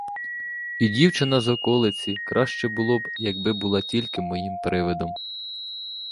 І дівчина з околиці, краще було б, якби була тільки моїм привидом.